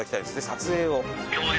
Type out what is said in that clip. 撮影を。